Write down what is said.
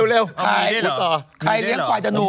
เร็วใครเลี้ยงขวายธนู